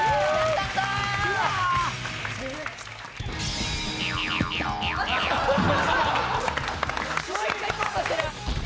もう１回いこうとしてる！